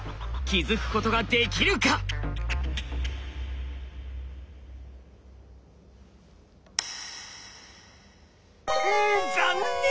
気付くことができるか⁉ん残念！